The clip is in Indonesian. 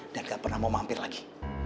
dan gak pernah mau mampir lagi